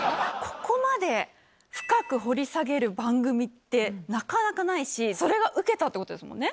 ここまで深く掘り下げる番組ってなかなかないしそれがウケたってことですもんね。